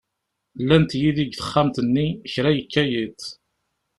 Llant yid-i deg texxamt-nni, kra yekka yiḍ.